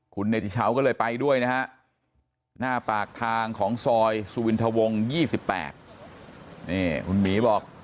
คุณเนติชาวก็เลยไปด้วยนะฮะหน้าปากทางของซอยสุวินทวง๒๘นี่คุณหมีบอก